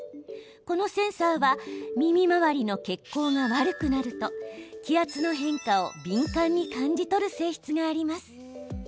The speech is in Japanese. このセンサーは耳周りの血行が悪くなると気圧の変化を敏感に感じ取る性質があります。